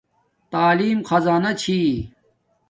تعلیم خزانہ چھی